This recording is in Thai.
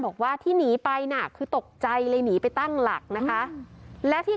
บอกว่าที่หนีไปน่ะคือตกใจเลยหนีไปตั้งหลักนะคะและที่